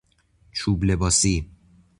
چوب لباسی